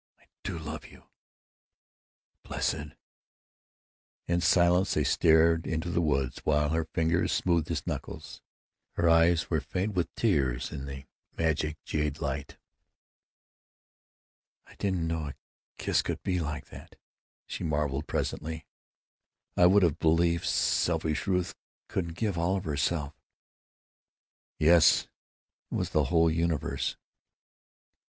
I do love you!" "Blessed——" In silence they stared into the woods while her fingers smoothed his knuckles. Her eyes were faint with tears, in the magic jade light. "I didn't know a kiss could be like that," she marveled, presently. "I wouldn't have believed selfish Ruth could give all of herself." "Yes! It was the whole universe."